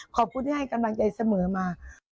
ขอบคุณที่ให้กำลังใจเสมอมา